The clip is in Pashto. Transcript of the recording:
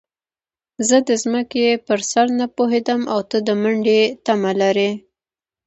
زه د ځمکې پر سر نه پوهېږم او ته د منډې تمه لرې.